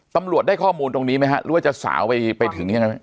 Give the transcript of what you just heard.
ตำรวจได้ข้อมูลตรงนี้ไหมฮะหรือว่าจะสาวไปถึงยังไง